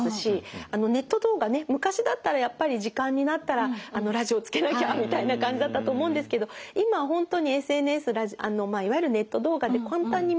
ネット動画ね昔だったらやっぱり時間になったらラジオつけなきゃみたいな感じだったと思うんですけど今は本当にＳＮＳいわゆるネット動画で簡単に見れますよね。